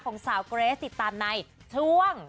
ของสาวเกรสติดตามในช่วง